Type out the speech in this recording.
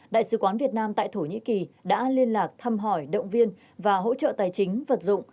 đại sứ quán việt nam tại thổ nhĩ kỳ đã liên lạc thăm hỏi động viên và hỗ trợ tài chính vật dụng